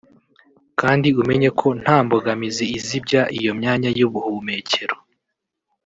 kandi umenye ko nta mbogamizi izibya iyo myanya y’ubuhumekero